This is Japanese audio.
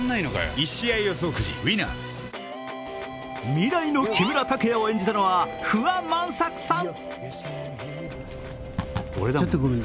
未来の木村拓哉を演じたのは不破万作さん。